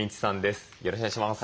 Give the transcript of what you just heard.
よろしくお願いします。